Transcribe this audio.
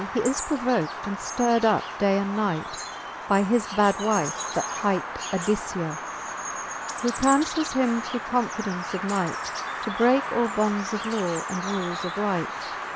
He is provokt, and ftird up day and night By his bad wife, that hight Adiciay Who counfels him, through confidence of might, To breake all bonds of law, and rules of right.